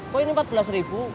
kok ini empat belas ribu